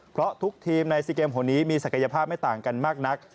เพราะทุกทีมในซีเกมคนนี้มีศักยภาพไม่ต่างกันมากนัก